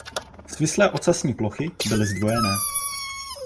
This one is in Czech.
Svislé ocasní plochy byly zdvojené.